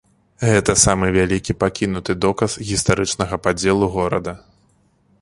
Гэта самы вялікі пакінуты доказ гістарычнага падзелу горада.